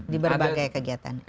di berbagai kegiatan